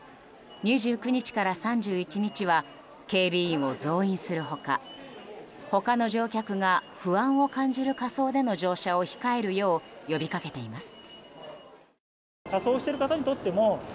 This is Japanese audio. ２９日から３１日は警備員を増員する他他の乗客が不安を感じる仮装での乗車を控えるよう呼びかけています。